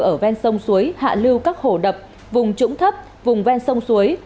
ở ven sông suối hạ lưu các hồ đập vùng trũng thấp vùng ven sông suối